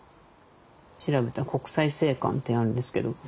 調べたら「国際製缶」ってあるんですけど。